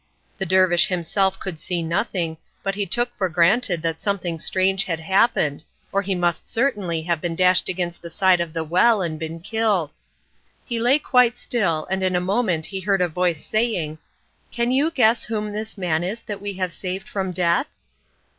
The dervish himself could see nothing, but he took for granted that something strange had happened, or he must certainly have been dashed against the side of the well and been killed. He lay quite still, and in a moment he heard a voice saying, "Can you guess whom this man is that we have saved from death?"